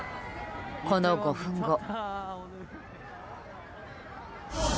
この５分後。